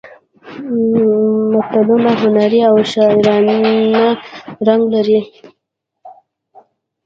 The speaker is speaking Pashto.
متلونه هنري او شاعرانه رنګ لري